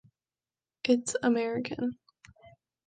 It’s American.